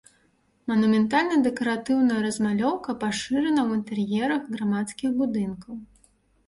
Манументальна-дэкаратыўная размалёўка пашырана ў інтэр'ерах грамадскіх будынкаў.